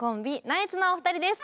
ナイツのお二人です。